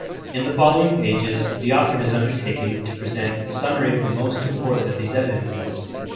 In the following pages the author has undertaken to present a summary of the most important of these evidences.